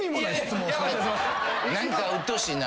何かうっとうしいな。